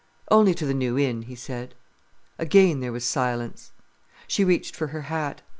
"Only to the New Inn," he said. Again there was silence. She reached for her hat.